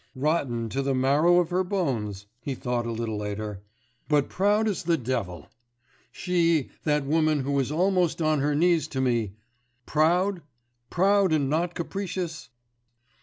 'Rotten to the marrow of her bones,' he thought a little later ... 'but proud as the devil! She, that woman who is almost on her knees to me, proud? proud and not capricious?